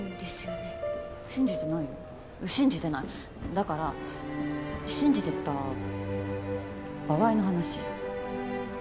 だから信じてた場合の話。